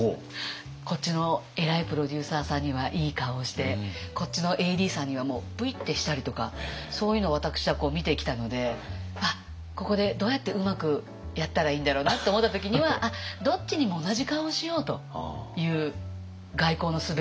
こっちの偉いプロデューサーさんにはいい顔してこっちのＡＤさんにはもうプイッてしたりとかそういうのを私は見てきたので「あっここでどうやってうまくやったらいいんだろうな」って思った時にはどっちにも同じ顔をしようという外交のすべを。